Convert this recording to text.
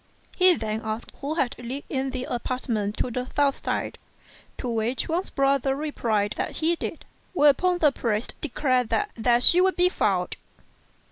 He then asked who lived in the apartments on the south side, to which Wang's brother replied that he did; whereupon the priest declared that there she would be found.